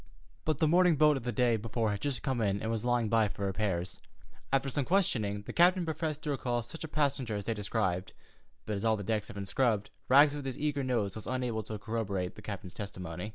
But the morning boat of the day before had just come in and was lying by for repairs. After some questioning, the captain professed to recall such a passenger as they described, but as all the decks had been scrubbed, Rags with his eager nose was unable to corroborate the captain's testimony.